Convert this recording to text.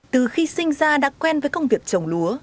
từ khi sinh ra đã quen với công việc trồng lúa